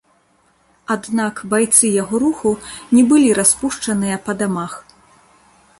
Аднак байцы яго руху не былі распушчаныя па дамах.